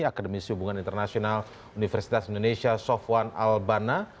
akademisi hubungan internasional universitas indonesia sofwan albana